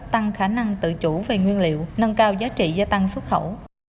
tăng khả năng tự chủ về nguyên liệu nâng cao giá trị gia tăng xuất khẩu